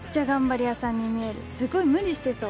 すごい無理してそう。